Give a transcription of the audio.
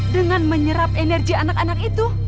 dengan menyerap energi anak anak itu